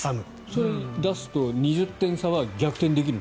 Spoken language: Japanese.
それを出すと２０点差は逆転できるの？